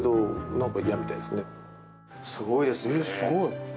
すごいですね。